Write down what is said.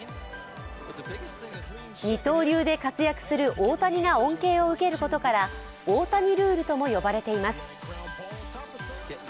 二刀流で活躍する大谷が恩恵を受けることから大谷ルールとも呼ばれています。